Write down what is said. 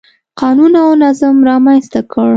قانون او نظم رامنځته کړ.